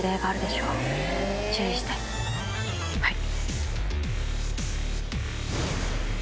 はい。